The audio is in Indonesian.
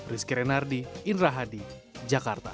rizky renardi indra hadi jakarta